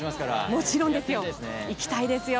もちろんですよ。